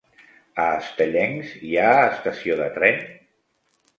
A Estellencs hi ha estació de tren?